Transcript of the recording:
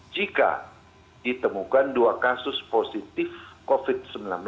jika ditemukan dua kasus positif covid sembilan belas